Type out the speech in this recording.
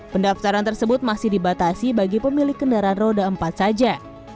pendaftaran tersebut masih dibatasi bagi pemilik kendaraan roda empat saja